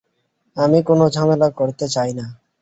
আমি কোনো ঝামেলা করতে চাইছি না।